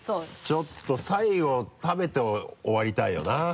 ちょっと最後食べて終わりたいよな。